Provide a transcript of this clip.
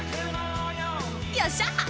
よっしゃ！